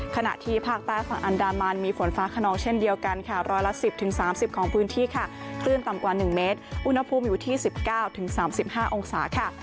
ขณะที่ภาคใต้ฝั่งอันดามันมีฝนฟ้าขนองเช่นเดียวกันค่ะร้อยละ๑๐๓๐ของพื้นที่ค่ะคลื่นต่ำกว่า๑เมตรอุณหภูมิอยู่ที่๑๙๓๕องศาค่ะ